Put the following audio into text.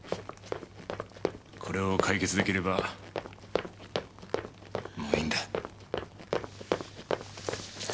これを解決出来ればもういいんだ。